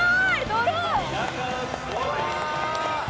ドローン！